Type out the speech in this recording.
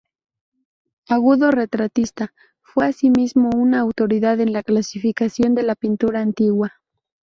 Agudo retratista, fue asimismo una autoridad en la clasificación de la pintura antigua.